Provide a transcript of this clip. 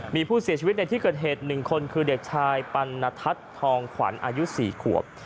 มีผู้เสียชีวิตในที่เกิดเหตุ๑คนคือเด็กชายปัณทัศน์ทองขวัญอายุ๔ขวบ